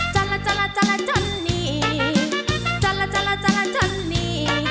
จัลลาจัลลาจัลลาจันนี่จัลลาจัลลาจันนี่